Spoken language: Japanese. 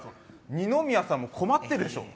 二宮さんも困ってるでしょ！